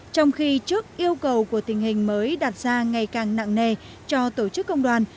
trong khi trước yêu cầu của tình hình mới đặt ra ngày càng nặng nề cho tổ chức công đoàn